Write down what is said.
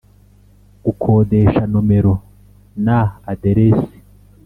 gukodesha nomero na aderesi